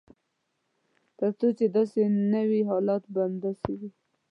تر څو چې داسې نه وي حالات به همداسې وي.